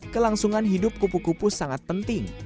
kelangsungan hidup kupu kupu sangat penting